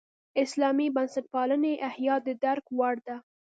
اسلامي بنسټپالنې احیا د درک وړ ده.